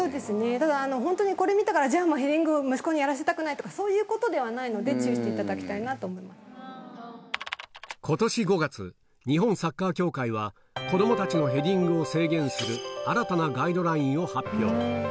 だから本当にこれ見たから、じゃあ、もうヘディング、息子にやらせたくないとか、そういうことではないので、注意していただきたいなと思いまことし５月、日本サッカー協会は、子どもたちのヘディングを制限する、新たなガイドラインを発表。